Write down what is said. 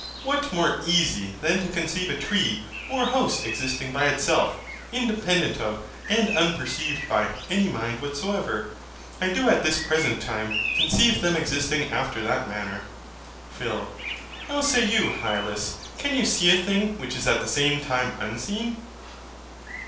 What more easy than to conceive a tree or house existing by itself, independent of, and unperceived by, any mind whatsoever? I do at this present time conceive them existing after that manner. PHIL. How say you, Hylas, can you see a thing which is at the same time unseen?